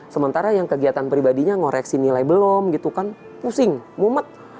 sementara yang kegiatan pribadinya ngoreksi nilai belum gitu kan pusing mumet